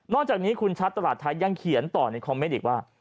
จากนี้คุณชัดตลาดไทยยังเขียนต่อในคอมเมนต์อีกว่า